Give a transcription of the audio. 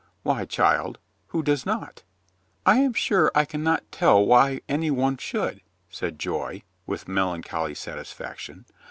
"Why, child, who does not?" "I am sure I can not tell why any one should," said Joy, with melancholy satisfaction.